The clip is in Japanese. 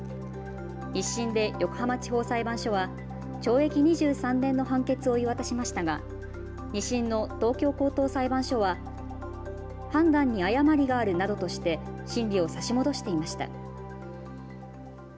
１審で横浜地方裁判所は懲役２３年の判決を言い渡しましたが２審の東京高等裁判所は判断に誤りがあるなどとして審理を差し戻していました。